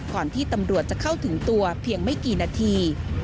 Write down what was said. ก่อนที่ตำรวจจะเข้าถึงตัวเพียงไม่กี่นาที